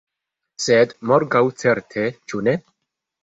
Sed morgaŭ certe, ĉu ne?